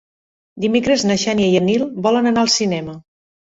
Dimecres na Xènia i en Nil volen anar al cinema.